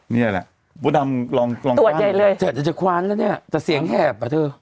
นี่อะไรอะโป๊ตดำลองถาดมีคว้านจะจะคว้านแหละเนี่ยแต่เสียงแหบอะเธอ